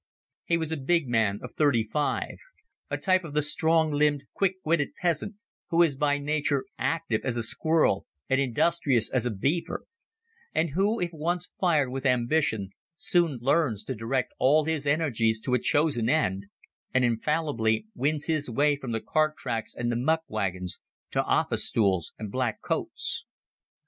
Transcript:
He was a big man of thirty five; a type of the strong limbed, quick witted peasant, who is by nature active as a squirrel and industrious as a beaver; and who, if once fired with ambition, soon learns to direct all his energies to a chosen end, and infallibly wins his way from the cart tracks and the muck wagons to office stools and black coats.